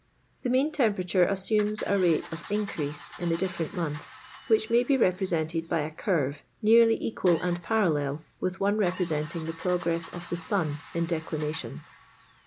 The mean temperature assumes a rate of in creasy in the different months, which may be represented by a curre neariy equal and parallel with one representing the progress of the sun in declination.